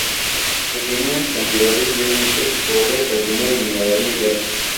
Pequeñas cantidades de níquel, cobre, platino y mineral de hierro.